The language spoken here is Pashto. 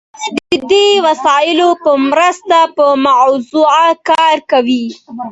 هغه د دې وسایلو په مرسته په موضوع کار کوي.